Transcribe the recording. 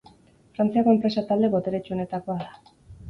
Frantziako enpresa talde boteretsuenetakoa da.